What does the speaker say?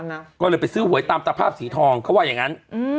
เพราะก็เลยไปซื้อหวยตามภาพสีทองเค้าบอกอย่างงั้น